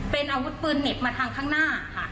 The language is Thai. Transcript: เป็นอาวุธปืนเหน็บมาทางข้างหน้าค่ะ